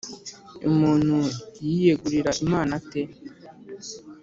Umuntu yiyegurira Imana ate?